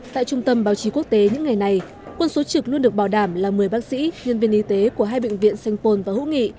tại trung tâm báo chí quốc tế những ngày này quân số trực luôn được bảo đảm là một mươi bác sĩ nhân viên y tế của hai bệnh viện sanh phôn và hữu nghị